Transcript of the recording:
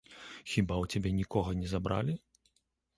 Хіба ў цябе нікога не забралі?